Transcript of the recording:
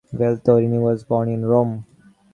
Veltroni was born in Rome.